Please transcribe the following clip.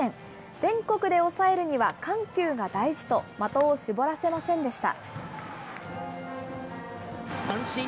全国で抑えるには緩急が大事と、的を絞らせませんでした。